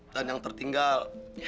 dan yang tertinggal